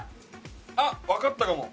あっわかったかも。